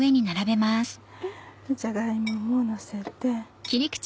じゃが芋ものせて。